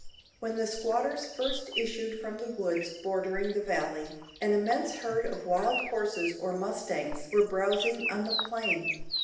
When the squatters first issued from the woods bordering the valley, an immense herd of wild horses or mustangs were browsing on the plain.